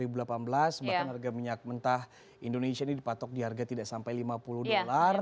bahkan harga minyak mentah indonesia ini dipatok di harga tidak sampai lima puluh dolar